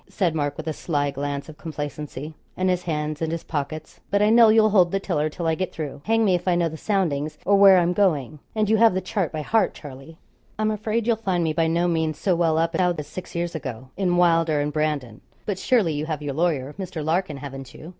said Mark with a sly glance of complacency, and his hands in his pockets. 'But I know you'll hold the tiller till I get through; hang me if I know the soundings, or where I'm going; and you have the chart by heart, Charlie.' 'I'm afraid you'll find me by no means so well up now as six years ago in "Wylder and Brandon;" but surely you have your lawyer, Mr. Larkin, haven't you?'